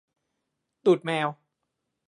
ตูดแมว